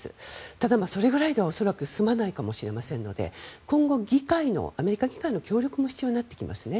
ただ、それぐらいでは恐らく済まないかもしれませんので今後、アメリカ議会の協力も必要になってきますね。